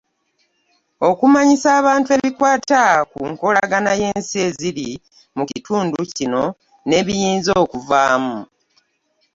Okumanyisa abantu ebikwata ku nkolagana y’ensi eziri mu kitundu kino n’ebiyinza okuvaamu.